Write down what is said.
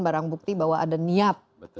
barang bukti bahwa ada niat